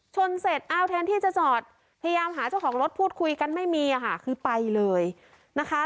ชนเสร็จอ้าวแทนที่จะจอดพยายามหาเจ้าของรถพูดคุยกันไม่มีค่ะคือไปเลยนะคะ